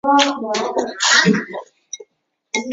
他摘下了职业生涯中的第一个大满贯男子单打锦标。